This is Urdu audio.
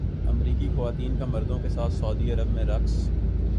امریکی خواتین کا مردوں کے ساتھ سعودی عرب میں رقص